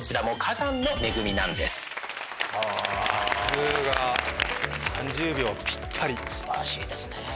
さすが３０秒ぴったりすばらしいですね